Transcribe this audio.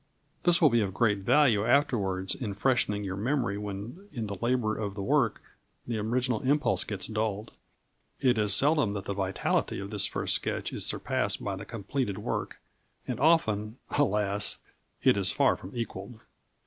This will be of great value afterwards in freshening your memory when in the labour of the work the original impulse gets dulled. It is seldom that the vitality of this first sketch is surpassed by the completed work, and often, alas! it is far from equalled.